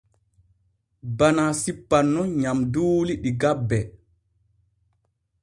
Bana sippan nun nyamduuli ɗi gabbe.